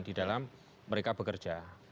di dalam mereka bekerja